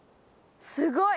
すごい！